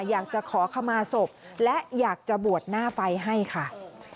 อยากจะขอขมาศพและอยากจะบวชหน้าไฟให้ค่ะ